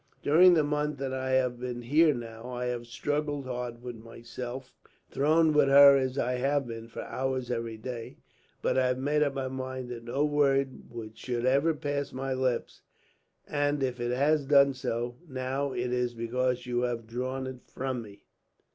During the month that I have been here, now, I have struggled hard with myself; thrown with her, as I have been, for hours every day. But I have made up my mind that no word should ever pass my lips; and if it has done so, now, it is because you have drawn it from me."